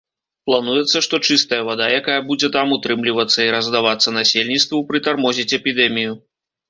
Плануецца, што чыстая вада, якая будзе там утрымлівацца і раздавацца насельніцтву, прытармозіць эпідэмію.